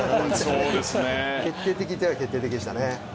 決定的といえば決定的でしたね。